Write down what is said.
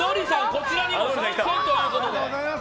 こちらにも参戦ということで。